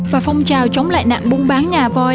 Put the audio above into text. và phong trào chống lại nạn buôn bán ngà voi